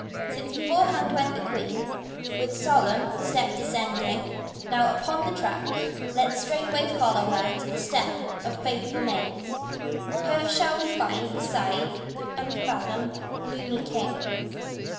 since beforehand went the Queen, With solemn step descending. Now, upon the track, Let straightway follow her the step of faithful maids t Her shall we find beside the unf athomed, gloomy King.